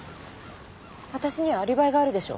私にはアリバイがあるでしょ。